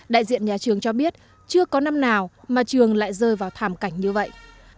đại diện nhà trường cho biết chưa có năm nào mà trường lại rơi vào thảm cảnh như vậy